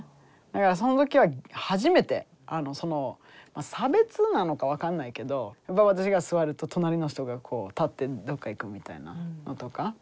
だからその時は初めて差別なのか分かんないけど私が座ると隣の人が立ってどっか行くみたいなのとか。